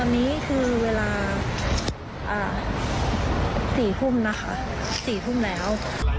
ตอนนี้คือเวลา๔ทุ่มนะคะ๔ทุ่มแล้ว